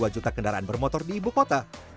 dua puluh dua juta kendaraan bermotor di ibu kota